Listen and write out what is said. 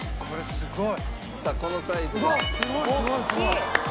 「すごい！」